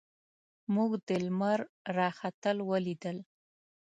موږ د لمر راختل ولیدل.